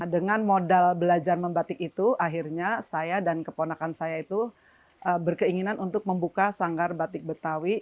dengan modal belajar membatik itu akhirnya saya dan keponakan saya itu berkeinginan untuk membuka sanggar batik betawi